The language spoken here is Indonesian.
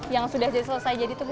yang sudah selesai jadi tuh bu